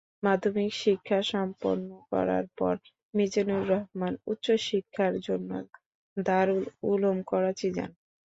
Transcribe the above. মাধ্যমিক শিক্ষা সম্পন্ন করার পর "মিজানুর রহমান" উচ্চশিক্ষার জন্য দারুল উলুম করাচি যান।